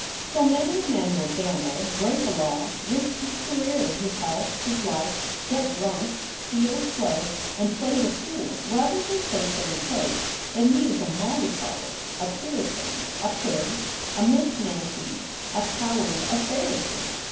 So many a man will gamble, break a law, risk his career, his health, his life, get drunk, steal, slay, and play the fool rather than face the reproach that he is a mollycoddle, a Puritan, a prig, a Miss Nancy, a coward, a Pharisee.